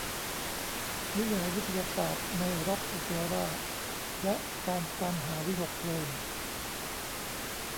นิยายวิทยาศาสตร์ในร็อคโอเปร่า และการตามหาวิหคเพลิง